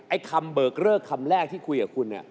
ไอ้คำเบอร์เกอร์คำแรกที่คุยกับคุณเนี่ย